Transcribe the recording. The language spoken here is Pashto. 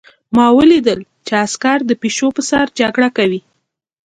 ما ولیدل چې عسکر د پیشو په سر جګړه کوي